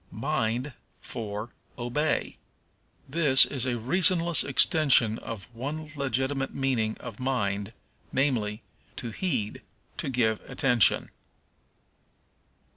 Mind for Obey. This is a reasonless extension of one legitimate meaning of mind, namely, to heed, to give attention.